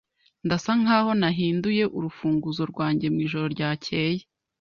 Ndasa nkaho nahinduye urufunguzo rwanjye mwijoro ryakeye.